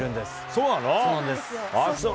そうなんです。